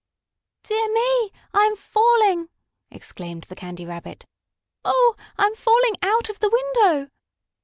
"Dear me, I am falling!" exclaimed the Candy Rabbit. "Oh, I am falling out of the window!"